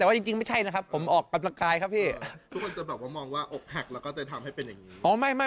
แต่ว่าจริงไม่ใช่นะครับผมออกกำลังกายครับพี่ทุกคนจะแบบว่ามองว่าอกหักแล้วก็จะทำให้เป็นอย่างนี้